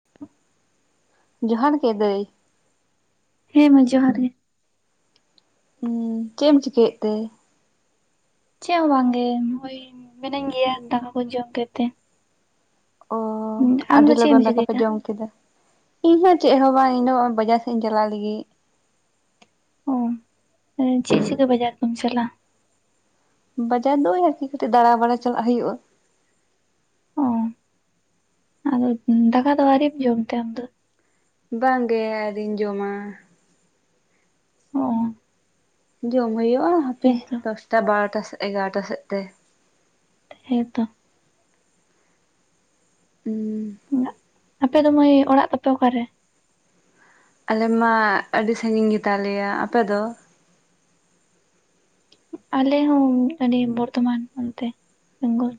[inaudible] ᱡᱚᱦᱟᱨ ᱜᱮ ᱫᱟᱹᱭ ᱾ ᱦᱮᱸ ᱢᱟᱹᱭ ᱡᱚᱦᱟᱨ ᱜᱮ ᱾ ᱦᱩᱸ ᱪᱮᱫ ᱮᱢ ᱪᱤᱠᱟᱹᱭᱮᱫ ᱛᱮ? ᱪᱮᱫ ᱦᱚᱸ ᱵᱟᱝᱜᱮ ᱦᱚᱭ ᱢᱤᱱᱟᱹᱧ ᱜᱮᱭᱟ ᱫᱟᱠᱟ ᱠᱚ ᱡᱚᱢ ᱠᱮᱫ ᱛᱮ ᱾ ᱚ ᱟᱹᱰᱤ ᱫᱚ ᱪᱮᱫ ᱮᱢ ᱞᱚᱜᱚᱱ ᱫᱟᱠᱟ ᱯᱮ ᱪᱤᱠᱟᱹᱭᱮᱫᱟ ᱡᱚᱢ ᱠᱮᱫᱟ ᱤᱧᱦᱚᱸ ᱪᱮᱫ ᱦᱚᱸ ᱵᱟᱝ ᱤᱧ ᱫᱚ ᱵᱟᱡᱟᱨ ᱥᱮᱫ ᱤᱧ ᱪᱟᱞᱟᱜ ᱞᱟᱹᱜᱤᱫ ᱾ ᱚ ᱪᱮᱫ ᱪᱤᱠᱟᱹ ᱵᱟᱡᱟᱨ ᱫᱚᱢ ᱪᱟᱞᱟᱜ-ᱟ? ᱵᱟᱡᱟᱨ ᱫᱚ ᱚᱭ ᱟᱨᱠᱤ ᱠᱟᱹᱴᱤᱡ ᱫᱟᱬᱟᱵᱟᱲᱟ ᱪᱟᱞᱟᱜ ᱦᱩᱭᱩᱜ-ᱟ ᱾ ᱚ ᱟᱫᱚ ᱫᱟᱠᱟ ᱫᱚ ᱟᱹᱣᱨᱤᱢ ᱡᱚᱢᱛᱮ ᱟᱢ ᱫᱚ? ᱵᱟᱝᱜᱮ ᱟᱹᱣᱨᱤᱧ ᱡᱚᱢᱟ ᱾ ᱚ ᱾ ᱡᱚᱢ ᱦᱩᱭᱩᱜ-ᱟ ᱦᱟᱯᱮ ᱫᱚᱥᱴᱟ ᱵᱟᱨᱚᱴᱟ ᱮᱜᱟᱨᱚᱴᱟ ᱥᱮᱫ ᱛᱮ ᱾ ᱦᱮᱸ ᱛᱚ ᱾ ᱦᱩᱸ᱾ ᱟᱯᱮ ᱫᱚ ᱢᱟᱹᱭ ᱚᱲᱟᱜ ᱛᱟᱯᱮ ᱚᱠᱟᱨᱮ? ᱟᱞᱮ ᱢᱟ ᱟᱹᱰᱤ ᱥᱟᱺᱜᱤᱧ ᱜᱮ ᱛᱟᱞᱮᱭᱟ ᱟᱯᱮ ᱫᱚ? ᱟᱞᱮ ᱦᱚᱸ ᱟᱞᱮ ᱵᱚᱨᱫᱷᱚᱢᱟᱱ ᱚᱱᱛᱮ ᱵᱮᱝᱜᱚᱞ ᱾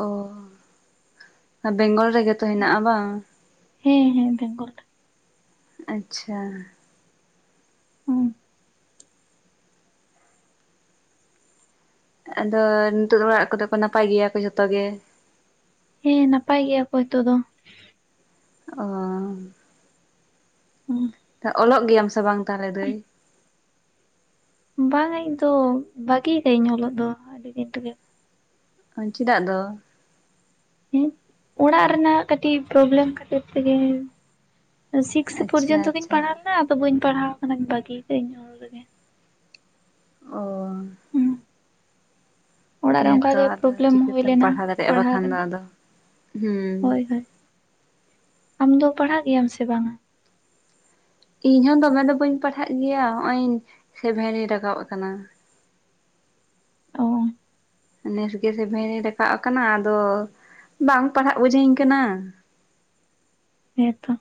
ᱚ ᱟ ᱵᱮᱝᱜᱚᱞ ᱨᱮᱜᱮ ᱛᱚ ᱦᱮᱱᱟᱜ-ᱟ ᱵᱟᱝ ᱾ ᱦᱮᱸ ᱦᱮᱸ ᱵᱮᱝᱜᱚᱞ ᱨᱮ ᱾ ᱟᱪᱪᱷᱟ ᱾ ᱦᱩᱸ ᱾ ᱟᱫᱚ ᱱᱤᱛᱚᱜ ᱫᱚ ᱚᱲᱟᱜ ᱠᱚᱫᱚ ᱠᱚ ᱱᱟᱯᱟᱭ ᱜᱮᱭᱟ ᱠᱚ ᱡᱚᱛᱚ ᱜᱮ ᱾ ᱦᱮᱸ ᱱᱟᱯᱟᱭ ᱜᱮᱭᱟ ᱠᱚ ᱱᱤᱛᱚᱜ ᱫᱚ ᱾ ᱦᱩᱸ ᱚ, ᱚᱞᱚᱜ ᱜᱮᱭᱟᱢ ᱥᱮ ᱵᱟᱝ ᱛᱟᱦᱚᱞᱮ ᱫᱟᱹᱭ? ᱵᱟᱝᱟ ᱤᱧ ᱫᱚ ᱵᱟᱹᱜᱤ ᱟᱠᱟᱹᱤᱧ ᱚᱞᱚᱜ ᱫᱚ ᱟᱹᱰᱤ ᱫᱤᱱ ᱨᱮᱜᱮ ᱾ ᱪᱮᱫᱟᱜ ᱫᱚ? ᱦᱮᱸ ᱚᱲᱟᱜ ᱨᱮᱱᱟᱜ ᱠᱟᱹᱴᱤᱡ ᱯᱨᱚᱵᱞᱮᱢ ᱠᱷᱟᱹᱛᱤᱨ ᱛᱮᱜᱮ ᱥᱤᱠᱥ ᱟᱪᱪᱷᱟ ᱯᱚᱨᱡᱚᱱᱛᱚ ᱜᱤᱧ ᱟᱪᱪᱷᱟ ᱯᱟᱲᱦᱟᱣ ᱞᱮᱱᱟ ᱟᱫᱚ ᱵᱟᱹᱧ ᱯᱟᱲᱦᱟᱣ ᱟᱠᱟᱱᱟ ᱵᱟᱹᱜᱤ ᱟᱠᱟ ᱤᱧ ᱩᱱ ᱨᱮᱜᱮ ᱚ ᱦᱩᱸ ᱚᱲᱟᱜ ᱨᱮ ᱦᱮᱸᱛᱚ ᱚᱱᱠᱟᱜᱮ ᱟᱫᱚ ᱯᱨᱚᱵᱞᱮᱢ ᱦᱩᱭ ᱪᱤᱠᱟᱹᱛᱮᱢ ᱞᱮᱱᱟ ᱯᱟᱲᱦᱟᱣ ᱫᱟᱲᱮᱭᱟᱜ-ᱟ ᱵᱟᱠᱷᱟᱱ ᱫᱚ ᱨᱮᱱᱟᱜ ᱟᱫᱚ ᱦᱮᱸ ᱦᱳᱭ ᱦᱳᱭ ᱟᱢ ᱫᱚ ᱯᱟᱲᱦᱟᱜ ᱜᱮᱭᱟᱢ ᱥᱮ ᱵᱟᱝ-ᱟ? ᱤᱧ ᱦᱚᱸ ᱫᱚᱢᱮ ᱫᱚ ᱵᱟᱹᱧ ᱯᱟᱲᱦᱟᱜ ᱜᱮᱭᱟ ᱦᱚᱸᱜ-ᱚᱭ ᱥᱮᱵᱷᱮᱱᱤᱧ ᱨᱟᱠᱟᱵ ᱟᱠᱟᱱᱟ᱾ ᱚ ᱱᱮᱥ ᱜᱮ ᱥᱮᱵᱷᱮᱱᱤ ᱨᱟᱠᱟᱵ ᱟᱠᱟᱱᱟ ᱟᱫᱚ ᱵᱟᱝ ᱯᱟᱲᱦᱟᱜ ᱵᱩᱡᱷᱟᱹᱧ ᱠᱟᱱᱟ᱾ ᱦᱮᱸᱻ ᱛᱚ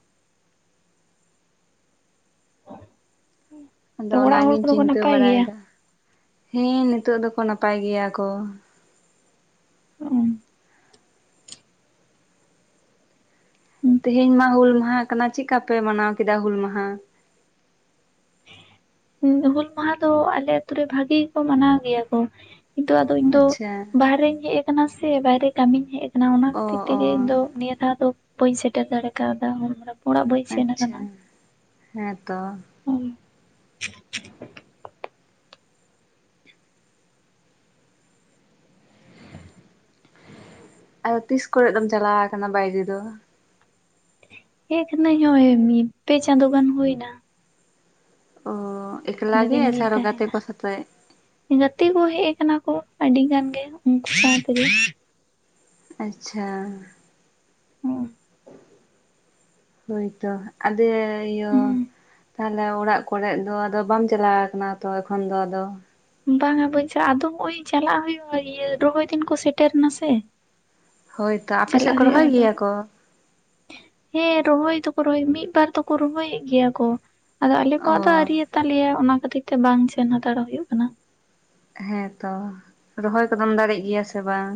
ᱟᱫᱚ ᱛᱚ ᱚᱲᱟᱜ ᱦᱚᱲ ᱚᱱᱟᱜᱤᱧ ᱠᱚᱫᱚ ᱠᱚ ᱪᱤᱱᱛᱟᱹ ᱱᱟᱯᱟᱭ ᱜᱮᱭᱟ ᱵᱟᱲᱟᱭᱮᱫᱟ ᱦᱮᱸ ᱱᱤᱛᱚᱜ ᱫᱚᱠᱚ ᱱᱟᱯᱟᱭ ᱜᱮᱭᱟ ᱠᱚ ᱚᱸ ᱛᱮᱦᱮᱧ ᱢᱟ ᱦᱩᱞ ᱢᱟᱦᱟ ᱠᱟᱱᱟ ᱪᱮᱫᱠᱟ ᱯᱮ ᱢᱟᱱᱟᱣ ᱠᱮᱫᱟ ᱦᱩᱞ ᱢᱟᱦᱟ? ᱦᱩᱞ ᱢᱟᱦᱟ ᱫᱚ ᱟᱞᱮ ᱟᱹᱛᱩ ᱨᱮ ᱵᱷᱟᱹᱜᱤ ᱜᱮᱠᱚ ᱢᱟᱱᱟᱣ ᱜᱮᱭᱟ ᱠᱚ ᱱᱤᱛᱚᱜ ᱟᱫᱚ ᱤᱧ ᱫᱚ ᱟᱪᱪᱷᱟ ᱵᱟᱦᱨᱮᱧ ᱦᱮᱡ ᱟᱠᱟᱱᱟ ᱥᱮ ᱵᱟᱭᱨᱮ ᱠᱟᱹᱢᱤᱧ ᱦᱮᱡ ᱟᱠᱟᱱᱟ ᱚᱱᱮ ᱚᱱᱟ ᱚ ᱠᱷᱟᱹᱛᱤᱨ ᱚ ᱛᱮᱜᱮ ᱤᱧ ᱫᱚ ᱱᱤᱭᱟᱹ ᱫᱷᱟᱣ ᱫᱚ ᱵᱟᱹᱧ ᱥᱮᱴᱮᱨ ᱫᱟᱲᱮ ᱠᱟᱣᱫᱟ ᱚᱲᱟᱜ ᱵᱟᱹᱧ ᱥᱮᱱ ᱟᱪᱷᱟ ᱦᱮᱸᱻᱛᱚ ᱦᱩᱸ ᱟᱫᱚ, ᱛᱤᱥ ᱠᱚᱨᱮ ᱫᱚᱢ, ᱪᱟᱞᱟᱣ ᱟᱠᱟᱱᱟ, ᱵᱟᱭᱨᱮ ᱫᱚ? ᱮᱠ, ᱱᱟᱹᱭ ᱦᱚᱭ, ᱢᱤᱫ ᱯᱮ, ᱪᱟᱸᱫᱳ ᱜᱟᱱ ᱦᱩᱭ ᱮᱱᱟ ᱚᱻ ᱮᱠᱞᱟ ᱟᱹᱰᱤ ᱜᱮ ᱫᱤᱱ ᱥᱮ ᱜᱤᱧ ᱟᱨᱚ ᱜᱟᱛᱮ ᱛᱟᱦᱮᱱᱟ ᱠᱚ ᱥᱟᱛᱮᱜ ᱜᱟᱛᱮ ᱠᱚ, ᱦᱮᱜ ᱟᱠᱟᱱᱟ ᱠᱚ, ᱟᱹᱰᱤ ᱜᱟᱱ ᱜᱮ, [unintelligible] ᱩᱱᱠᱩ ᱥᱟᱹᱣ ᱛᱮᱜᱮ ᱟᱪᱪᱷᱟ, ᱦᱩᱸ ᱦᱳᱭ ᱛᱚ, ᱟᱫᱮ ᱤᱭᱟᱹ ᱛᱟᱦᱚᱞᱮ, ᱚᱲᱟᱜ ᱠᱚᱨᱮ ᱫᱚ, ᱟᱫᱚ, ᱵᱟᱢ ᱪᱟᱞᱟᱣ ᱟᱠᱟᱱᱟ, ᱛᱚ ᱮᱠᱷᱚᱱ ᱫᱚ ᱟᱫᱚ ᱵᱟᱝᱟ ᱵᱟᱹᱧ ᱪᱟᱜ-ᱟ ᱟᱫᱚ ᱱᱚᱜ-ᱚᱭ ᱪᱟᱞᱟᱜ ᱦᱩᱭᱩᱜᱼᱟ ᱤᱭᱟᱹ ᱨᱚᱦᱚᱭ ᱫᱤᱱ ᱠᱚ ᱥᱮᱴᱮᱨ ᱱᱟ ᱥᱮ ᱦᱳᱭ ᱛᱚ ᱟᱯᱮ ᱥᱮᱜ ᱠᱚ ᱨᱚᱦᱚᱭ ᱜᱮᱭᱟ ᱠᱚ ᱦᱮᱸᱻ, ᱨᱚᱦᱚᱭ ᱫᱚᱠᱚ, ᱨᱚᱦᱚᱭ, ᱢᱤᱫ ᱵᱟᱨ ᱫᱚᱠᱚ, ᱨᱚᱦᱚᱭᱮᱫ ᱜᱮᱭᱟ ᱠᱚ ᱟᱫᱚ, ᱟᱞᱮ ᱚ ᱠᱚᱣᱟᱜ ᱫᱚ, ᱟ. ᱣᱨᱤᱭᱟ ᱛᱟᱞᱮᱭᱟ, ᱚᱱᱟ ᱠᱷᱟᱹᱛᱤᱨ ᱛᱮ, ᱵᱟᱝ ᱥᱮᱱ ᱦᱟᱛᱟᱲᱟ ᱦᱩᱭᱩᱜ ᱟᱠᱟᱱᱟ ᱾ ᱦᱮᱸᱛᱚ ᱨᱚᱦᱚᱭ ᱠᱚᱫᱚᱢ ᱫᱟᱲᱮᱜ ᱜᱮᱭᱟ ᱥᱮ ᱵᱟᱝ?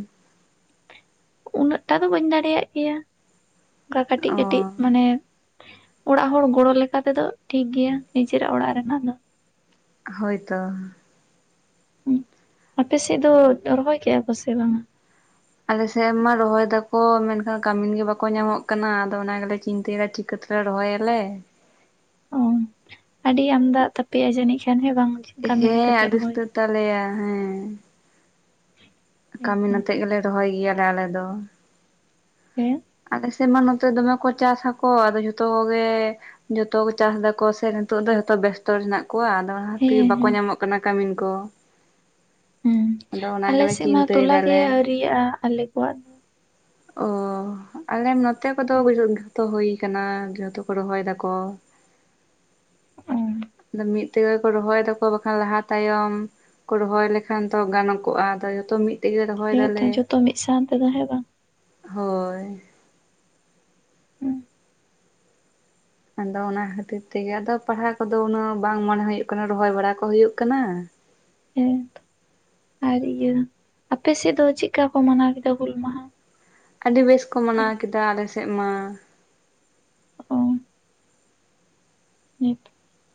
ᱩᱱᱟᱹᱜ ᱴᱟᱜ ᱫᱚ ᱵᱟᱹᱧ ᱫᱟᱲᱮᱭᱟᱜ ᱜᱮᱭᱟ ᱚᱠᱟ ᱠᱟᱹᱴᱤᱡ ᱚ ᱠᱟᱹᱴᱤᱡ ᱢᱟᱱᱮ ᱚᱲᱟᱜ ᱦᱚᱲ ᱜᱚᱲᱚ ᱞᱮᱠᱟ ᱛᱮᱫᱚ ᱴᱷᱤᱠ ᱜᱮᱭᱟ ᱱᱤᱡᱮᱨᱟᱜ ᱚᱲᱟᱜ ᱨᱮᱱᱟᱜ ᱫᱚ ᱦᱳᱭ ᱛᱚ ᱦᱩᱸ ᱟᱯᱮ ᱥᱮᱜ ᱫᱚ, ᱨᱚᱦᱚᱭ ᱠᱮᱜᱼᱟ ᱠᱚ ᱥᱮ, ᱵᱟᱝ-ᱟ? ᱟᱞᱮ ᱥᱮᱜ ᱢᱟ, ᱨᱚᱦᱚᱭ ᱫᱟ ᱠᱚ, ᱢᱮᱱᱠᱷᱟᱱ, ᱠᱟᱹᱢᱤᱱ ᱜᱮ, ᱵᱟᱠᱚ ᱧᱟᱢᱚᱜ ᱠᱟᱱᱟ, ᱟᱫᱚ, ᱚᱱᱟ ᱜᱮᱞᱮ, ᱪᱤᱱᱛᱟᱹᱭᱮᱫᱟ ᱴᱷᱤᱠ ᱠᱚᱛᱮ ᱞᱮ, ᱲᱚᱦᱚᱭ ᱟᱞᱮ ᱩᱸ ᱟᱹᱰᱤ ᱟᱢᱫᱟᱜ ᱛᱟᱯᱮᱭᱟ ᱡᱟᱹᱱᱤᱡ ᱠᱷᱟᱱ ᱦᱮᱸ ᱵᱟᱝ-ᱟ? ᱦᱮᱸ, ᱟᱹᱰᱤ ᱥᱩᱠᱛᱟᱹ ᱛᱟᱞᱮᱭᱟ ᱦᱮᱸ ᱦᱮᱸ ᱠᱟᱹᱢᱤᱱ ᱛᱚ ᱱᱟᱛᱮᱜ ᱜᱮᱞᱮ, ᱨᱚᱦᱚᱭ ᱜᱮᱭᱟ ᱞᱮ, ᱟᱞᱮ ᱫᱚ ᱯᱮᱸ ᱾ ᱟᱞᱮ ᱥᱮᱫ ᱢᱟ, ᱱᱚᱛᱮ ᱫᱚᱢᱮ ᱠᱚ, ᱪᱟᱥ ᱟᱠᱚ, ᱟᱫᱚ, ᱡᱷᱚᱛᱚ ᱠᱚ ᱜᱮ ᱡᱚᱛᱚ ᱜᱮ ᱪᱟᱥ ᱮᱫᱟ ᱠᱚ, ᱥᱮ, ᱱᱤᱛᱚᱜ ᱫᱚ ᱦᱚᱛᱚ ᱵᱮᱥᱛᱚ ᱨᱮ ᱦᱮᱱᱟᱜ ᱠᱚᱣᱟ ᱾ ᱟᱫᱚ ᱦᱟᱸᱜ, ᱫᱷᱚᱲᱦᱟ ᱛᱤ ᱦᱮᱸ ᱵᱟᱠᱚ ᱦᱮᱸ ᱧᱟᱢᱚᱜ ᱠᱟᱱᱟ, ᱠᱟᱹᱢᱤᱱ ᱠᱚ ᱦᱩᱸ, ᱟᱫᱚ ᱚᱱᱟ ᱟᱞᱮ ᱜᱮᱞᱮ ᱥᱮᱫ ᱢᱟ, ᱪᱤᱱᱛᱟᱹᱭ ᱛᱚᱞᱟ ᱜᱮ, ᱫᱟᱞᱮ ᱟᱹᱣᱨᱤᱭᱟᱜᱼᱟ, ᱟᱞᱮ ᱠᱚᱣᱟᱜ ᱚ ᱟᱞᱮ ᱱᱚᱛᱮ ᱠᱚᱫᱚ, ᱫᱚ᱾ ᱡᱚᱛᱚ ᱦᱩᱭ ᱟᱠᱟᱱᱟ, ᱡᱚᱛᱚ ᱠᱚ ᱨᱚᱦᱚᱭ ᱮᱫᱟ ᱠᱚ ᱚ ᱟᱫᱚ ᱢᱤᱫ ᱛᱮᱜᱮ ᱠᱚ ᱨᱚᱦᱚᱭ ᱫᱟᱠᱚ ᱵᱟᱠᱷᱟᱱ ᱞᱟᱦᱟ ᱛᱟᱭᱚᱢ ᱠᱚ ᱨᱚᱦᱚᱭ ᱞᱮᱠᱷᱟᱱ ᱛᱚ ᱜᱟᱱᱚ ᱠᱚᱜ-ᱟ ᱟᱫᱚ ᱡᱚᱛᱚ ᱢᱤᱫ ᱛᱮᱜᱮ ᱨᱚᱦᱚᱭ ᱦᱮᱸᱛᱚ ᱫᱟᱞᱮ ᱡᱚᱛᱚ ᱢᱤᱫ ᱥᱟᱶ ᱛᱮᱫᱚ ᱦᱮᱸ ᱵᱟᱝ? ᱦᱳᱭ ᱾ ᱦᱩᱸ ᱾ ᱟᱫᱚ ᱚᱱᱟ ᱠᱷᱟᱹᱛᱤᱨ ᱛᱮᱜᱮ ᱟᱫᱚ ᱯᱟᱲᱦᱟ ᱠᱚᱫᱚ ᱩᱱᱟᱹᱜ ᱵᱟᱝ ᱢᱚᱱᱮ ᱦᱩᱭᱩᱜ ᱠᱟᱱᱟ ᱨᱚᱦᱚᱭ ᱵᱟᱲᱟ ᱠᱚ ᱦᱩᱭᱩᱜ ᱠᱟᱱᱟ ᱾ ᱦᱮᱸ, ᱟᱨ ᱤᱭᱟᱹ ᱟᱯᱮ ᱥᱮᱫ ᱫᱚ ᱪᱮᱫᱠᱟ ᱠᱚ ᱢᱟᱱᱟᱣ ᱠᱮᱫᱟ ᱦᱩᱞ ᱢᱟᱦᱟ? ᱟᱹᱰᱤ ᱵᱮᱥ ᱠᱚ ᱢᱟᱱᱟᱣ ᱛᱮᱦᱮᱧ? ᱠᱮᱫᱟ ᱟᱞᱮ ᱥᱮᱫ ᱢᱟ ᱾ ᱚ [unintelligible]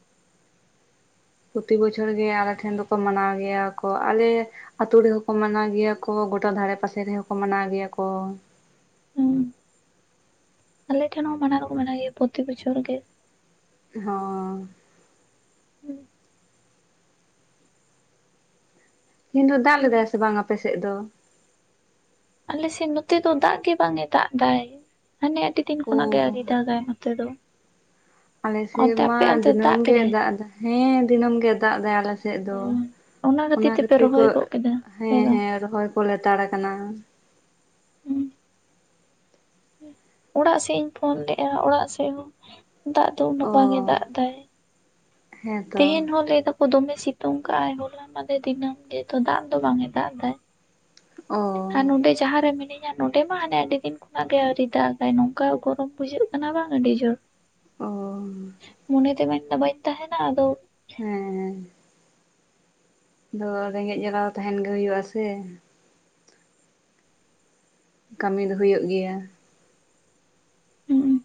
ᱯᱨᱚᱛᱤ ᱵᱚᱪᱷᱚᱨ ᱜᱮ ᱟᱞᱮ ᱴᱷᱮᱱ ᱫᱚᱠᱚ ᱢᱟᱱᱟᱣ ᱜᱮᱭᱟ ᱠᱚ, ᱟᱞᱮ ᱟᱛᱳ ᱨᱮᱦᱚᱸ ᱠᱚ ᱢᱟᱱᱟᱣ ᱜᱮᱭᱟ ᱠᱚ ᱜᱚᱴᱟ ᱫᱷᱟᱨᱮ ᱯᱟᱥᱮ ᱨᱮᱦᱚᱸ ᱠᱚ ᱢᱟᱱᱟᱣ ᱜᱮᱭᱟ ᱠᱚ ᱾ ᱦᱩᱸ, ᱟᱞᱮ ᱴᱷᱮᱱ ᱦᱚᱸ ᱢᱟᱱᱟᱣ ᱫᱚᱠᱚ ᱢᱟᱱᱟᱣ ᱜᱮᱭᱟ ᱯᱨᱚᱛᱤ ᱵᱚᱪᱷᱚᱨ ᱜᱮ ᱾ ᱦᱚᱸᱻ᱾ ᱦᱩᱸ᱾ ᱛᱮᱦᱤᱧ ᱫᱚ ᱫᱟᱜ ᱦᱩᱸ ᱞᱮᱫᱟᱭ ᱥᱮ ᱵᱟᱝ ᱟᱯᱮ ᱥᱮᱜ ᱫᱚ? ᱟᱞᱮ ᱥᱮᱜ ᱱᱚᱛᱮ ᱫᱚ ᱫᱟᱜ ᱜᱮ ᱵᱟᱝ ᱮ ᱫᱟᱜ ᱫᱟᱭ ᱾ ᱦᱟᱱᱮ ᱟᱹᱰᱤ ᱫᱤᱱ ᱳ ᱠᱷᱚᱱᱟᱜ ᱜᱮ ᱟᱹᱣᱨᱤ ᱫᱟᱜᱟᱭ ᱱᱚᱛᱮ ᱫᱚ ᱾ ᱟᱞᱮ ᱥᱮᱜ ᱢᱟ ᱫᱤᱱᱟᱹᱢ ᱜᱮ ᱫᱟᱜ ᱫᱟᱭ, ᱦᱮᱸ ᱫᱤᱱᱟᱹᱢ ᱜᱮᱭ ᱫᱟᱜ ᱫᱟᱭ ᱟᱞᱮ ᱥᱮ ᱥᱮᱜ ᱚ ᱫᱚ, ᱚᱱᱟ ᱛᱮᱯᱮ ᱠᱷᱟᱹᱛᱤᱨ ᱠᱚ ᱨᱚᱦᱚᱭ ᱜᱚᱫ ᱠᱮᱫᱟ ᱦᱮᱸ ᱵᱟᱝ ᱦᱮᱸ ᱨᱚᱦᱚᱭ ᱠᱚ ᱞᱮᱛᱟᱲ ᱟᱠᱟᱱᱟ ᱾ ᱦᱩᱸ ᱚᱲᱟᱜ ᱥᱮᱜ ᱤᱧ ᱯᱷᱳᱱ ᱞᱮᱜ-ᱟ ᱚᱲᱟᱜ ᱥᱮᱜ ᱦᱚᱸ, ᱫᱟᱜ ᱫᱚ ᱩᱱᱟᱹᱜ ᱚ ᱵᱟᱝ ᱮ ᱫᱟᱜ ᱫᱟᱭ ᱾ ᱦᱮᱸᱛᱚ ᱛᱮᱦᱮᱧ ᱦᱚᱸ ᱞᱟᱹᱭ ᱫᱟᱠᱚ ᱫᱚᱢᱮ ᱥᱤᱛᱩᱝ ᱠᱟᱜ ᱟᱭ ᱦᱚᱞᱟ ᱢᱟᱫᱮᱨ ᱫᱤᱱᱟᱹᱢ ᱜᱮᱛᱚ ᱫᱟᱜ ᱫᱚ ᱵᱟᱝ ᱮ ᱫᱟᱜ ᱫᱟᱭ ᱾ ᱚ ᱦᱟᱸ, ᱱᱚᱸᱰᱮᱡ ᱡᱟᱦᱟᱸ ᱨᱮ ᱢᱤᱱᱟᱹᱧᱟ ᱱᱚᱰᱮ ᱢᱟ ᱦᱟᱱᱮ ᱟᱹᱰᱤ ᱫᱤᱱ ᱠᱷᱚᱱᱟᱜ ᱜᱮ ᱟᱹᱣᱨᱤ ᱫᱟᱜᱟᱭ ᱱᱚᱝᱠᱟ ᱜᱚᱨᱚᱢ ᱵᱩᱡᱷᱟᱹᱜ ᱠᱟᱱᱟ ᱵᱟᱝ ᱟᱹᱰᱤ ᱡᱳᱨ ᱚ ᱾ ᱢᱚᱱᱮ ᱛᱮ ᱢᱮᱱᱫᱟ ᱵᱟᱹᱧ ᱛᱟᱦᱮᱱᱟ ᱟᱫᱚ ᱦᱮᱸᱻ ᱨᱮᱸᱜᱮᱡ ᱡᱟᱞᱟ ᱫᱚ ᱛᱟᱦᱮᱱ ᱜᱮ ᱦᱳᱭᱳᱜ ᱟ ᱥᱮ ᱠᱟᱹᱢᱤ ᱫᱚ ᱦᱳᱭᱳᱜ ᱜᱮᱭᱟ᱾ ᱦᱩᱸ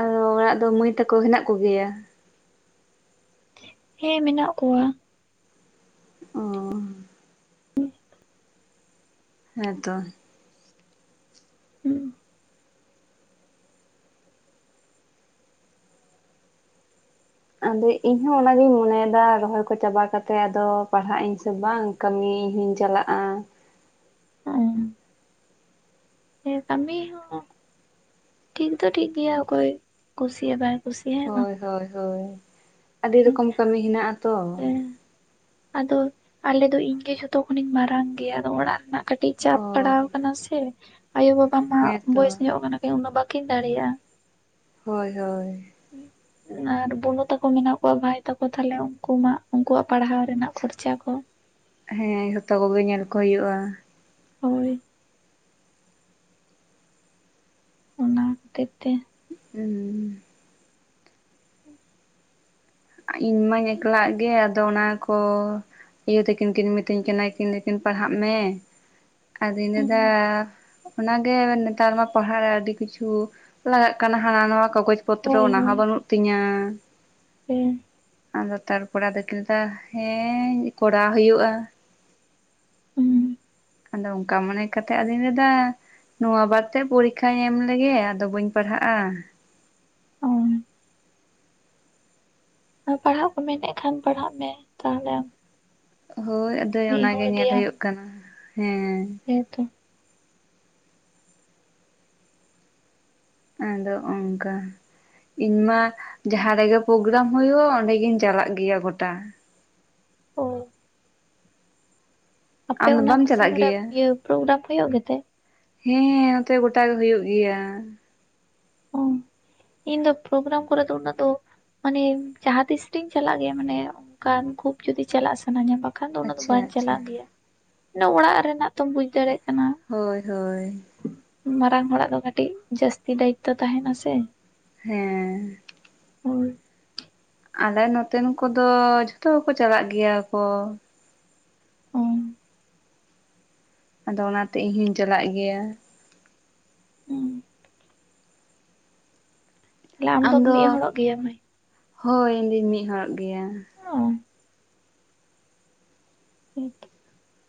ᱟᱫᱚ ᱚᱲᱟᱜ ᱫᱚ ᱢᱟᱹᱭ ᱛᱮᱠᱚ ᱦᱮᱱᱟᱜ ᱠᱚ ᱜᱮᱭᱟ ᱦᱮᱸ ᱢᱮᱱᱟᱜ ᱠᱚᱣᱟ ᱚᱸ ᱦᱮᱸ ᱛᱚ ᱦᱩᱸ ᱟᱫᱚ ᱤᱧ ᱦᱚ ᱚᱱᱟ ᱜᱤᱧ ᱢᱚᱱᱮ ᱫᱟ ᱨᱚᱦᱚᱭ ᱠᱚ ᱪᱟᱵᱟ ᱠᱟᱛᱮᱫ ᱟᱫᱚ ᱯᱟᱲᱦᱟᱜ ᱟᱹᱧ ᱥᱮ ᱵᱟᱝ ᱠᱟᱹᱢᱤ ᱤᱧ ᱦᱚᱸᱧ ᱪᱟᱞᱟᱜᱼᱟ ᱦᱮ ᱠᱟᱹᱢᱤ ᱦᱚᱸ ᱴᱷᱤᱠ ᱫᱚ ᱴᱷᱤᱠ ᱜᱮᱭᱟ ᱚᱠᱚᱭ ᱠᱩᱥᱤ ᱵᱟᱭ ᱠᱩᱥᱤᱭᱟᱜ ᱦᱮᱸ ᱵᱟᱝ ᱦᱳᱭ -ᱦᱳᱭ-ᱦᱳᱭ ᱟᱹᱰᱤ ᱨᱮᱠᱚᱢ ᱠᱟᱹᱢᱤ ᱦᱮᱱᱟᱜᱼᱟᱛᱚ ᱦᱮᱸ ᱟᱫᱚ ᱟᱞᱮ ᱫᱚ ᱤᱧ ᱜᱮ ᱡᱚᱛᱚ ᱠᱷᱚᱱᱤᱧ ᱢᱟᱨᱟᱝ ᱜᱮᱭᱟ ᱟᱫᱚ ᱚᱲᱟᱜ ᱨᱮᱱᱟᱜ ᱠᱟᱹᱴᱤᱡ ᱪᱟᱯ ᱚ ᱯᱟᱲᱟᱣ ᱟᱠᱟᱱᱟ ᱥᱮ ᱟᱭᱳ-ᱵᱟᱵᱟ ᱢᱟ ᱦᱮᱸᱛᱚ ᱵᱚᱭᱮᱥ ᱧᱚᱜ ᱠᱟᱱᱟ ᱩᱱᱟᱹᱜ ᱵᱟ. ᱠᱤᱱ ᱫᱟᱲᱮ ᱭᱟᱜᱼᱟ᱾ ᱦᱳᱭ- ᱦᱳᱭ ᱟᱨ ᱵᱩᱱᱩ ᱛᱟᱠᱚ ᱢᱮᱱᱟᱜ ᱠᱚᱣᱟ ᱵᱷᱟᱭ ᱛᱟᱠᱚ ᱛᱟᱞᱦᱮ ᱩᱱᱠᱩ ᱢᱟ ᱩᱱᱠᱩ ᱣᱟᱜ ᱯᱟᱲ ᱦᱟᱣ ᱨᱮᱱᱟᱜ ᱠᱷᱚᱨᱪᱟ ᱠᱚ ᱦᱮᱸ ᱡᱚᱛᱚ ᱠᱚ ᱜᱮ ᱧᱮᱞ ᱠᱚ ᱦᱳᱭᱳᱜᱼᱟ᱾ ᱦᱳᱭ ᱚᱱᱟ ᱠᱷᱟᱹᱛᱤᱨ ᱛᱮ ᱦᱩᱸ ᱤᱧ ᱢᱟᱧ ᱮᱠ ᱞᱟᱜ ᱜᱮᱭᱟ ᱟᱫᱚ ᱚᱱᱟ ᱠᱚ ᱭᱩ ᱛᱟᱹᱠᱤᱱ ᱠᱤᱱ ᱢᱤᱛᱟᱹᱧ ᱠᱟᱱᱟ ᱠᱤᱱ ᱯᱟᱲᱦᱟᱜ ᱢᱮ ᱟᱫᱚᱧ ᱞᱟᱹᱭ ᱦᱩᱸ ᱫᱟ ᱚᱱᱟ ᱜᱮ ᱱᱮᱛᱟᱨ ᱢᱟ ᱯᱟᱲ ᱦᱟᱜ ᱨᱮ ᱟᱹᱰᱤ ᱠᱤᱪᱷᱩ ᱞᱟᱜᱟᱜ ᱠᱟᱱᱟ ᱦᱟᱱᱟ ᱱᱟᱦ-ᱣᱟ ᱠᱟᱜᱚᱡᱽ ᱯᱚᱛᱨᱚ ᱦᱳᱭ ᱚᱱᱟ ᱦᱚᱸ ᱦᱳᱭ ᱵᱟᱹᱱᱩᱜ ᱛᱤᱧᱟ [unintelligible] ᱟᱫᱚ ᱛᱟᱨ ᱯᱚᱨ ᱟᱫᱚᱹᱠᱤᱱ ᱞᱟᱹᱭᱫᱟ ᱦᱮᱸ ᱠᱚᱨᱟᱣ ᱦᱳᱭᱳᱜᱼᱟ᱾ ᱦᱩᱸ᱾ ᱟᱫᱚ ᱚᱝᱠᱟ ᱢᱚᱱᱮ ᱠᱟᱛᱮᱫ ᱟᱫᱚᱧ ᱞᱟᱹᱭᱫᱟ ᱱᱚᱣᱟ ᱵᱟᱨ ᱛᱮᱫ ᱯᱚᱨᱤᱠᱠᱷᱟᱧ ᱮᱢ ᱞᱮᱜᱮ ᱟᱫᱚ ᱵᱟᱹᱧ ᱯᱟᱲᱦᱟᱜᱼᱟ᱾ ᱚ᱾ ᱯᱟᱲᱦᱟᱜ ᱠᱚ ᱢᱮᱱᱮᱫ ᱠᱷᱟᱱ ᱯᱟᱲᱦᱟᱜ ᱢᱮ, ᱛᱟᱦᱚᱞᱮ ᱟᱢ ᱦᱳᱭ ᱟᱫᱚᱭ ᱚᱱᱟ ᱜᱮ ᱧᱮᱞ ᱦᱳᱭᱳᱜ ᱠᱟᱱᱟ ᱦᱮᱸ᱾ ᱦᱮ ᱛᱚ᱾ ᱟᱫᱚ ᱚᱱᱠᱟ ᱤᱧ ᱢᱟ ᱡᱟᱦᱟᱸ ᱨᱮᱜᱮ ᱯᱨᱳᱜᱨᱟᱢ ᱦᱳᱭᱳᱜᱼᱟ ᱚᱸᱰᱮ ᱜᱤᱧ ᱪᱟᱞᱟᱜ ᱜᱮᱭᱟ ᱜᱚᱴᱟ᱾ ᱚ᱾ ᱟᱯᱮ ᱟᱢ ᱫᱚ ᱚᱱᱟ ᱵᱟᱢ ᱯᱟᱥᱮ ᱪᱟᱞᱟᱜ ᱠᱚᱨᱮᱜ ᱜᱮᱭᱟ ᱤᱭᱟᱹ ᱯᱳᱜᱨᱟᱢ ᱦᱳᱭᱳᱜ ᱜᱮᱛᱮ? ᱦᱮᱸ ᱱᱚᱛᱮ ᱜᱚᱴᱟ ᱜᱮ ᱦᱩᱭᱩᱜ ᱜᱮᱭᱟ᱾ ᱚ [inaudible] ᱤᱧ ᱫᱚ ᱯᱚᱨᱳᱜᱨᱟᱢ ᱠᱚ ᱨᱮ ᱫᱚ ᱩᱱᱟᱹᱜ ᱫᱚ ᱢᱟᱱᱮ ᱡᱟᱦᱟᱸ ᱛᱤᱥ ᱨᱤᱧ ᱪᱟᱞᱟᱜ ᱜᱮᱭᱟ ᱢᱟᱱᱮ ᱚᱱᱠᱟᱱ ᱠᱷᱩᱵ ᱡᱩᱫᱤ ᱪᱟᱞᱟᱜ ᱥᱟᱱᱟᱧᱟ ᱵᱟ ᱠᱷᱟᱱ ᱫᱚ ᱚᱱᱟ ᱫᱚ ᱟᱪᱪᱷᱟ ᱵᱟᱹᱧ ᱟᱪᱪᱷᱟ ᱪᱟᱞᱟᱜ ᱜᱮᱭᱟ ᱚᱲᱟᱜ ᱨᱮᱱᱟᱜ ᱛᱚᱢ ᱵᱩᱡᱽ ᱫᱟᱲᱮᱜ ᱠᱟᱱᱟ᱾ ᱦᱳᱭ ᱦᱳᱭ᱾ ᱢᱟᱨᱟᱝ ᱦᱚᱲᱟᱜ ᱫᱚ ᱠᱟᱹᱴᱤᱡ ᱡᱟᱹᱥᱛᱤ ᱫᱟᱭᱤᱛᱛᱚ ᱛᱟᱦᱮᱸᱱᱟ ᱥᱮ᱾ ᱦᱮᱸ᱾ ᱦᱳᱭ᱾ ᱟᱞᱮ ᱱᱚᱛᱮᱱ ᱠᱚ ᱫᱚ ᱡᱷᱚᱛᱚ ᱜᱮᱠᱚ ᱪᱟᱞᱟᱜ ᱜᱮᱭᱟ ᱠᱚ᱾ ᱚ ᱟᱫᱚ ᱚᱱᱟᱛᱮ ᱤᱧ ᱦᱩᱧ ᱪᱟᱞᱟᱜ ᱜᱮᱭᱟ᱾ ᱦᱩᱸ᱾ ᱛᱟᱦᱚᱞᱮ ᱟᱢ ᱫᱚᱢ ᱟᱢᱫᱚ ᱢᱤᱫ ᱦᱚᱲᱚᱜ ᱜᱮᱭᱟ ᱢᱟᱹᱭ? ᱦᱳᱭ ᱤᱧ ᱫᱩᱧ ᱢᱤᱫ ᱦᱚᱲᱚᱜ ᱜᱮᱭᱟ᱾ ᱚ ᱦᱮᱸ ᱛᱚ᱾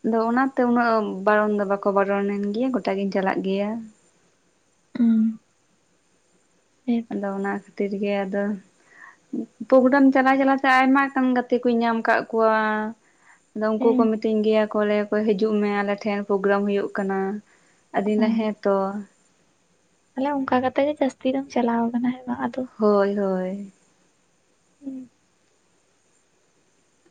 ᱟᱫᱚ ᱚᱱᱟᱛᱮ ᱩᱱᱟᱹᱜ ᱵᱟᱨᱚᱱ ᱫᱚ ᱵᱟᱠᱚ ᱵᱟᱨᱚᱱᱤᱧ ᱜᱮᱭᱟ ᱜᱚᱴᱟ ᱜᱤᱧ ᱪᱟᱞᱟᱜ ᱜᱮᱭᱟ᱾ ᱦᱩᱸ᱾ ᱦᱮᱸ᱾ ᱟᱫᱚ ᱚᱱᱟ ᱠᱷᱟᱹᱛᱤᱨ ᱜᱮ ᱟᱫᱚ ᱯᱳᱜᱨᱟᱢ ᱪᱟᱞᱟᱣ ᱪᱟᱞᱟᱣᱛᱮ ᱟᱭᱢᱟ ᱠᱟᱱ ᱜᱟᱛᱮ ᱠᱩᱧ ᱧᱟᱢ ᱠᱟᱫ ᱠᱚᱣᱟ᱾ ᱟᱫᱚ ᱩᱱᱠᱩ ᱠᱚ ᱦᱮᱸ ᱢᱤᱛᱟᱹᱧ ᱜᱮᱭᱟ ᱠᱚ ᱞᱟᱹᱭᱟ ᱠᱚ ᱦᱤᱡᱩᱜ ᱢᱮ ᱟᱞᱮ ᱴᱷᱮᱱ ᱯᱳᱜᱨᱟᱢ ᱦᱩᱭᱩᱜ ᱠᱟᱱᱟ᱾ ᱟᱹᱫᱤᱧ ᱞᱟᱹᱭ ᱟ ᱦᱮᱸᱛᱚ᱾ ᱛᱟᱦᱚᱞᱮ ᱚᱝᱠᱟ ᱠᱟᱛᱮ ᱜᱮ ᱡᱟᱹᱥᱛᱤ ᱫᱚᱢ ᱪᱟᱞᱟᱣ ᱠᱟᱱᱟ ᱦᱮᱸᱵᱟᱝ ᱟᱫᱚ᱾ ᱦᱳᱭ ᱦᱳᱭ᱾ ᱦᱩᱸ᱾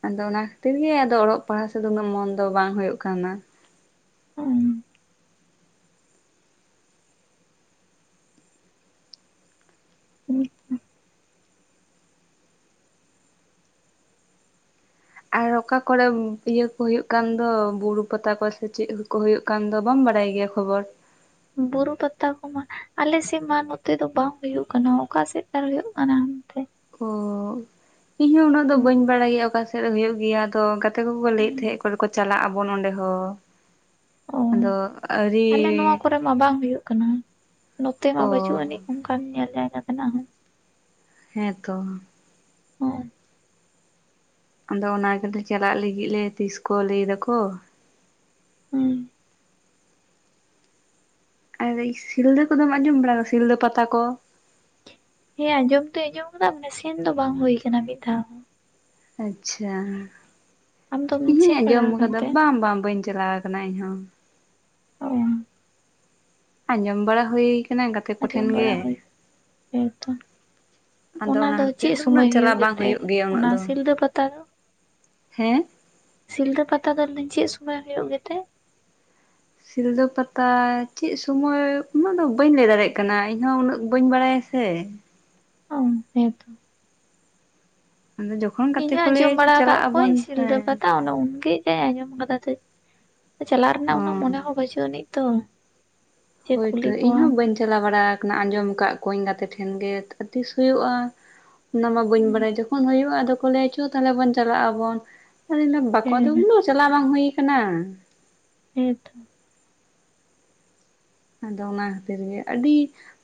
ᱟᱫᱚ ᱚᱱᱟ ᱠᱷᱟᱛᱤᱨ ᱜᱮ ᱟᱫᱚ ᱚᱲᱚᱜ ᱯᱟᱲᱦᱟᱣ ᱥᱮᱫ ᱩᱱᱟᱹᱜ ᱢᱚᱱ ᱫᱚ ᱵᱟᱝ ᱦᱳᱭᱳᱜ ᱠᱟᱱᱟ᱾ ᱚ᱾ [unintelligible] ᱟᱨ ᱚᱠᱟ ᱠᱚᱲᱮᱢ ᱤᱭᱟᱹ ᱠᱚ ᱦᱩᱭᱩᱜ ᱠᱟᱱ ᱫᱚ ᱵᱩᱨᱩ ᱯᱟᱛᱟ ᱠᱚ ᱥᱮ ᱪᱮᱫ ᱦᱚᱸ ᱠᱚ ᱦᱩᱭᱩᱜ ᱠᱟᱱ ᱫᱚ ᱵᱟᱢ ᱵᱟᱲᱟᱭ ᱜᱮᱭᱟ ᱠᱷᱚᱵᱚᱨ᱾ ᱵᱩᱨᱩ ᱯᱟᱛᱟ ᱠᱚᱢᱟ ᱟᱞᱮ ᱥᱮᱫ ᱢᱟ ᱱᱚᱛᱮ ᱫᱚ ᱵᱟᱝ ᱦᱩᱭᱩᱜ ᱠᱟᱱᱟ ᱚᱠᱟ ᱥᱮᱫ ᱛᱟᱨ ᱦᱩᱭᱩᱜ ᱠᱟᱱᱟ ᱚᱱᱛᱮ᱾ ᱚ ᱤᱧ ᱦᱚᱸ ᱩᱱᱟᱹᱜ ᱫᱚ ᱵᱟᱹᱧ ᱵᱟᱲᱟᱭ ᱜᱮᱭᱟ ᱚᱠᱟ ᱥᱮᱫ ᱨᱮ ᱦᱳᱭᱩᱜ ᱜᱮᱭᱟ ᱟᱫᱚ ᱜᱟᱛ ᱜᱟᱛᱮ ᱠᱚᱠᱚ ᱞᱟᱹᱭᱮᱫ ᱛᱟᱦᱮᱸᱜ ᱠᱚ ᱞᱟᱹᱭ ᱛᱟᱦᱮᱸᱫ [unintelligible] ᱪᱟᱞᱟᱜ-ᱟ ᱵᱚᱱ ᱚᱸᱰᱮ ᱦᱚᱸ᱾ ᱚ, ᱟᱫᱚ ᱟᱹᱣᱨᱤ ᱟᱞᱮ ᱱᱚᱣᱟ ᱠᱚᱨᱮ ᱢᱟ ᱵᱟᱝ ᱦᱩᱭᱩᱜ ᱠᱟᱱᱟ ᱱᱚᱛᱮ ᱢᱟ ᱚ ᱵᱟᱹᱪᱩᱜ ᱟᱹᱱᱤᱡ᱾ ᱚᱱᱠᱟᱱ ᱧᱮᱞ ᱡᱟᱭᱜᱟ ᱛᱮᱱᱟᱜ ᱦᱚᱸ᱾ ᱦᱮᱸ ᱛᱚ᱾ ᱦᱮᱸ᱾ ᱟᱫᱚ ᱚᱱᱟ ᱜᱮᱞᱮ ᱪᱟᱞᱟᱜ ᱞᱟᱹᱜᱤᱫ ᱞᱮ, ᱛᱤᱥ ᱠᱚ ᱞᱟᱹᱭ ᱫᱟᱠᱚ? ᱦᱩᱸ᱾ ᱟᱨ ᱥᱤᱞᱫᱟᱹ ᱠᱚᱫᱚᱢ ᱟᱸᱡᱚᱢ ᱵᱟᱲᱟ ᱠᱟᱫᱟ, ᱥᱤᱞᱫᱟᱹ ᱯᱟᱛᱟ ᱠᱚ? ᱦᱮᱸ ᱟᱸᱡᱚᱢ ᱫᱚᱧ ᱟᱸᱡᱚᱢ ᱠᱟᱫᱟ ᱢᱟᱱᱮ ᱥᱮᱱ ᱫᱚ ᱵᱟᱝ ᱦᱩᱭ ᱠᱟᱱᱟ ᱢᱤᱫ ᱫᱷᱟᱣ ᱦᱚᱸ᱾ ᱟᱪᱪᱷᱟ, ᱟᱢ ᱫᱚᱢ ᱤᱧ ᱥᱮᱱ ᱵᱟᱲᱟ ᱟᱸᱡᱚᱢ ᱟᱠᱟᱱ ᱠᱟᱫᱟ ᱛᱮ ᱵᱟᱝ ᱵᱟᱝ ᱵᱟᱹᱧ ᱪᱟ ᱪᱟᱞᱟᱣ ᱠᱟᱱᱟ ᱤᱧᱦᱚᱸ᱾ ᱚᱸ᱾ ᱟᱸᱡᱚᱢ ᱵᱟᱲᱟ ᱦᱩᱭ ᱠᱟᱱᱟ ᱜᱟᱛᱮ ᱠᱚ ᱴᱷᱮᱱ ᱟᱸᱡᱚᱢ ᱜᱮ᱾ ᱵᱟᱲᱟ ᱦᱩᱭ ᱦᱮᱸᱛᱚ ᱟᱫᱚ ᱚᱱᱟ ᱫᱚ ᱠᱷᱟᱹᱛᱤᱨ ᱪᱮᱫ ᱟᱫᱚ ᱩᱱᱟᱹᱜ ᱥᱚᱢᱚᱭ ᱪᱟᱞᱟᱣ ᱵᱟᱝ ᱜᱮᱛᱮ ᱦᱩᱭᱩᱜ ᱜᱮᱭᱟ ᱩᱱᱟᱹᱜ ᱚᱱᱟ ᱫᱚ᱾ ᱥᱤᱞᱫᱟᱹ ᱯᱟᱛᱟ ᱫᱚ ᱦᱮᱸ᱾ ᱥᱤᱞᱫᱟᱹ ᱯᱟᱛᱟ ᱫᱚ ᱞᱟᱹᱭ ᱫᱟᱹᱧ ᱪᱮᱫ ᱥᱩᱢᱳᱭ ᱦᱩᱭᱩᱜ ᱜᱮᱛᱮ? ᱥᱤᱞᱫᱟᱹ ᱯᱟᱛᱟ ᱪᱮᱫ ᱥᱩᱢᱟᱹᱭ ᱩᱱᱟᱹᱜ ᱫᱚ ᱵᱟᱹᱧ ᱞᱟᱹᱭ ᱫᱟᱲᱮᱭᱟᱜ ᱠᱟᱱᱟ, ᱤᱧ ᱦᱚᱸ ᱩᱱᱟᱹᱜ ᱵᱟᱹᱧ ᱵᱟᱲᱟᱭᱟ ᱥᱮ᱾ ᱚ, ᱦᱮᱸ ᱛᱚ᱾ [unintelligible] ᱤᱧ ᱦᱚᱸ ᱠᱚ ᱞᱟᱹᱭᱟ ᱟᱸᱡᱚᱢ ᱡᱮ ᱵᱟᱲᱟ ᱟᱠᱟᱜ ᱪᱟᱞᱟᱜ ᱟᱵᱚᱱ ᱠᱚᱣᱟᱹᱧ ᱥᱤᱞᱫᱟᱹ ᱦᱮᱸ ᱯᱟᱛᱟ ᱚᱱᱟ ᱩᱱᱜᱮ᱾ ᱦᱮᱸ, ᱟᱸᱡᱚᱢ ᱠᱟᱫᱟ ᱛᱚ, ᱪᱟᱞᱟᱜ ᱨᱮᱱᱟᱜ ᱚ ᱩᱱᱟᱹᱜ ᱢᱚᱱᱮ ᱦᱚᱸ ᱵᱟᱹᱪᱩᱜ ᱟᱹᱱᱤᱡ ᱛᱚ᱾ ᱡᱮ ᱦᱳᱭᱛᱳ ᱠᱩᱞᱤ ᱤᱧ ᱠᱚᱣᱟᱢ ᱦᱚᱸ ᱵᱟᱹᱧ ᱪᱟᱞᱟᱣ ᱵᱟᱲᱟ ᱠᱟᱱᱟ ᱟᱸᱡᱚᱢ ᱠᱟᱜ ᱠᱚᱣᱟᱹᱧ ᱜᱟᱛᱮ ᱴᱷᱮᱱ ᱜᱮ ᱛᱤᱥ ᱦᱩᱭᱩᱜ-ᱟ? ᱚᱱᱟ ᱢᱟ ᱵᱟᱹᱧ ᱦᱩᱸ ᱵᱟᱲᱟᱭᱟ ᱡᱚᱠᱷᱚᱱ ᱦᱩᱭᱩᱜ-ᱟ, ᱟᱫᱚ ᱠᱚ ᱞᱟᱹᱭ ᱟ ᱪᱚ ᱛᱟᱞᱦᱮ ᱵᱚᱱ ᱪᱟᱞᱟᱜ ᱟᱵᱚᱱ ᱦᱚᱸ᱾ ᱤᱧ ᱫᱚ ᱵᱟᱠᱚ ᱦᱮᱸ [unintelligible] ᱪᱟᱞᱟᱣ ᱵᱟᱝ ᱦᱩᱭ ᱠᱟᱱᱟ᱾ ᱦᱮᱸ ᱛᱚ᱾ ᱟᱫᱚ ᱚᱱᱟ ᱠᱷᱟᱹᱛᱤᱨ ᱜᱮ ᱟᱹᱰᱤ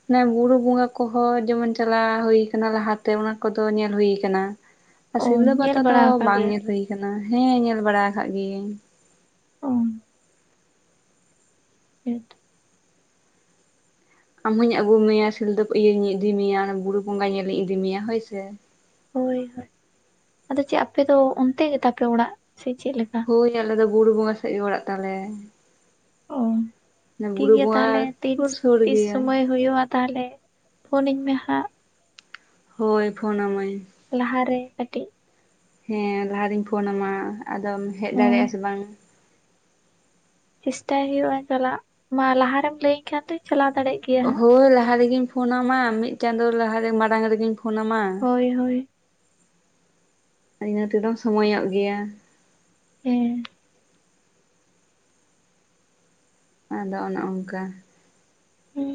ᱚᱱᱟ ᱵᱩᱨᱩ ᱵᱚᱸᱜᱟ ᱠᱚᱦᱚᱸ ᱡᱮᱢᱚᱱ ᱪᱟᱞᱟᱣ ᱦᱩᱭ ᱠᱟᱱᱟ ᱞᱟᱦᱟ ᱛᱮ ᱚᱱᱟ ᱠᱚᱫᱚ ᱧᱮᱞ ᱦᱩᱭ ᱠᱟᱱᱟ᱾ ᱟᱨ ᱚ ᱥᱤᱞᱫᱟᱹ ᱧᱮᱞ ᱯᱟᱛᱟ ᱫᱚ ᱵᱟᱲᱟ ᱟᱠᱟᱫ ᱵᱟᱝ ᱜᱮᱭᱟ ᱧᱮᱞ ᱦᱩᱭ ᱠᱟᱱᱟ, ᱦᱮᱸ ᱧᱮᱞ ᱵᱟᱲᱟ ᱠᱟᱜ ᱜᱤᱭᱟᱹᱧ᱾ ᱚᱸ᱾ ᱦᱮᱸ ᱛᱚ᱾ ᱟᱢ ᱦᱚᱧ ᱟᱹᱜᱩ ᱢᱮᱭᱟ, ᱥᱤᱞᱫᱟᱹ ᱤᱭᱟᱹᱧ ᱤᱫᱤ ᱢᱮᱭᱟ, ᱵᱩᱨ ᱵᱚᱸᱜᱟ ᱧᱮᱞᱤᱧ ᱤᱫᱤ ᱢᱮᱭᱟ ᱦᱳᱭ ᱥᱮ᱾ ᱦᱳᱭ-ᱦᱳᱭ, ᱟᱫᱚ ᱪᱮᱫ ᱟᱯᱮ ᱫᱚ, ᱚᱱᱛᱮ ᱜᱮ ᱛᱟᱯᱮ ᱚᱲᱟᱜ ᱥᱮ ᱪᱮᱫ ᱞᱮᱠᱟ? ᱦᱳᱭ ᱟᱞᱮ ᱫᱚ ᱵᱩᱨ ᱵᱚᱸᱜᱟ ᱥᱮᱫ ᱜᱮ ᱚᱲᱟᱜ ᱛᱟᱞᱮ᱾ ᱚ, ᱚᱱᱟ ᱴᱷᱤᱠ ᱵᱩᱨᱩ ᱜᱮᱭᱟ ᱵᱚᱸᱜᱟ ᱛᱟᱦᱞᱮ ᱥᱩᱨ ᱥᱩᱨ ᱛᱤᱱ-ᱛᱤᱥ ᱜᱮᱭᱟ ᱥᱚᱢᱚᱭ ᱦᱩᱭᱩᱜ-ᱟ᱾ ᱛᱟᱦᱞᱮ, ᱯᱷᱩᱱᱤᱧ ᱢᱮ ᱦᱟᱸᱜ᱾ ᱦᱳᱭ, ᱯᱷᱳᱱᱟᱢᱟᱹᱧ᱾ ᱞᱟᱦᱟᱨᱮ ᱠᱟᱹᱴᱤᱡ᱾ ᱦᱮᱸ ᱞᱟᱦᱟ ᱨᱤᱧ ᱯᱷᱳᱱᱟᱢᱟ, ᱟᱫᱚᱢ ᱦᱮᱡ ᱦᱚᱸ ᱫᱟᱲᱮᱭᱟᱜ-ᱟ ᱥᱮ ᱵᱟᱝᱟ᱾ ᱪᱮᱥᱴᱟᱭ ᱦᱩᱭᱩᱜ-ᱟ ᱪᱟᱞᱟᱜ, ᱢᱟ ᱞᱟᱦᱟ ᱨᱮᱢ ᱞᱟᱹᱭᱟᱹᱧ ᱠᱷᱟᱱ ᱫᱚ ᱪᱟᱞᱟᱣ ᱫᱟᱲᱮᱭᱟᱜ᱾ ᱜᱮᱭᱟ ᱦᱟᱸᱜ ᱦᱳᱭ, ᱞᱟᱦᱟ ᱨᱮᱜᱤᱧ ᱯᱷᱳᱱᱟᱢᱟ, ᱢᱤᱫ ᱪᱟᱸᱫᱚ ᱞᱟᱦᱟᱨᱮ ᱢᱟᱲᱟᱝ ᱨᱮᱜᱤᱧ ᱯᱷᱳᱱᱟᱢᱟ᱾ ᱦᱳᱭ ᱦᱳᱭ ᱤᱱᱟᱹ ᱛᱮᱫᱚᱢ ᱥᱚᱢᱚᱭᱚᱜ ᱜᱮᱭᱟ᱾ ᱦᱩᱸ᱾ ᱟᱫᱚ ᱚᱱᱮ ᱚᱱᱠᱟ᱾ ᱦᱩᱸ